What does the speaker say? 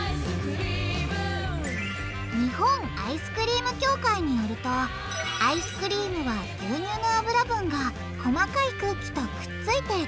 日本アイスクリーム協会によるとアイスクリームは牛乳の脂分が細かい空気とくっついて凍ったもの。